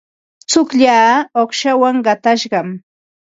Tsullaaqa uuqshawan qatashqam.